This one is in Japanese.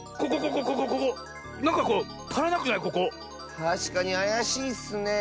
たしかにあやしいッスねえ。